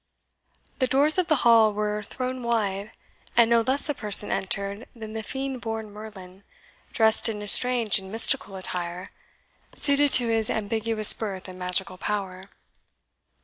The doors of the hall were thrown wide, and no less a person entered than the fiend born Merlin, dressed in a strange and mystical attire, suited to his ambiguous birth and magical power.